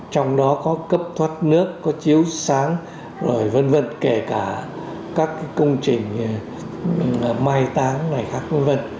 trong đó có cấp thoát nước có chiếu sáng rồi vân vân kể cả các công trình may táng này khác vân vân